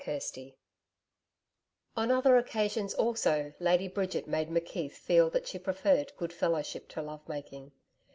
CHAPTER 2 On other occasions also Lady Bridget made McKeith feel that she preferred good fellowship to love making.